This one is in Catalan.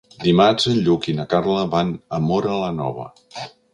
Dimarts en Lluc i na Carla van a Móra la Nova.